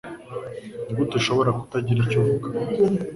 Nigute ushobora kutagira icyo uvuga